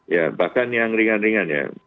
ya bahkan yang ringan ringan ya